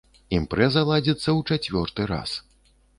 Імпрэза ладзіцца ў чацвёрты раз.